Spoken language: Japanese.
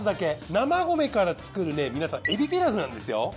生米から作るね皆さんエビピラフなんですよ。